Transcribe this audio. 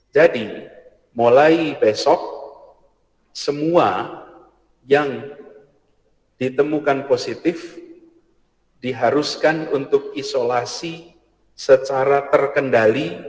jadi mulai besok semua yang ditemukan positif diharuskan untuk isolasi secara terkendali